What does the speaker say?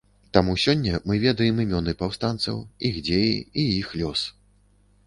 Таму сёння мы ведаем імёны паўстанцаў, іх дзеі, і іх лёс.